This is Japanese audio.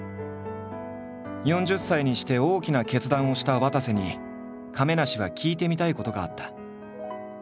４０歳にして大きな決断をしたわたせに亀梨は聞いてみたいことがあった。